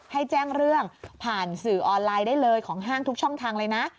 ให้แจ้งเรื่องผ่านสื่อออนไลน์ได้เลยของห้างทุกช่องทางเลยนะ